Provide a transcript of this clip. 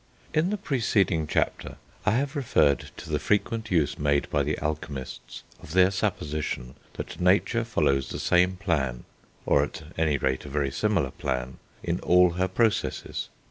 In the preceding chapter I have referred to the frequent use made by the alchemists of their supposition that nature follows the same plan, or at any rate a very similar plan, in all her processes.